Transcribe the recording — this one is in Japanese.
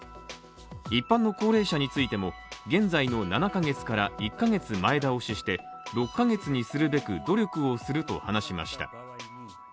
一般の高齢者についても、現在の７ヶ月から１ヶ月前倒しして、６ヶ月にするべく努力をすると話しました。